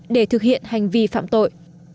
để thực hiện hành vi phạm tội